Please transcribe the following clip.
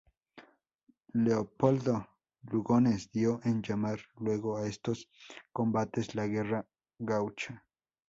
Leopoldo Lugones dio en llamar luego a estos combates "la guerra gaucha".